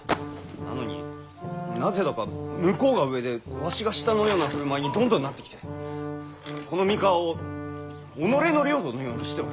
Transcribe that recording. なのになぜだか向こうが上でわしが下のような振る舞いにどんどんなってきてこの三河を己の領土のようにしておる！